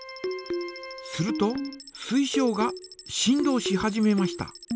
すると水晶が振動し始めました。